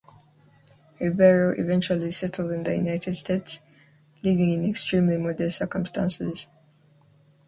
Rivero eventually settled in the United States, living in extremely modest circumstances.